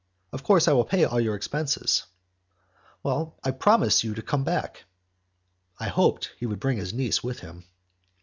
Of course I will pay all your expenses." "I promise you to come back." I hoped he would bring his niece with him.